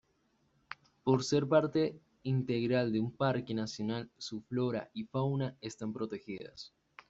Por ser parte integral de un parque nacional su flora y fauna están protegidas.